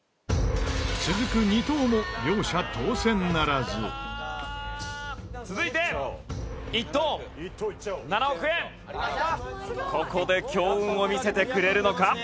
続く２等も両者、当せんならず清水：ここで強運を見せてくれるのか？